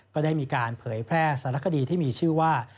ก็ได้มีการเผยแพร่สารคดีที่มีชื่อว่า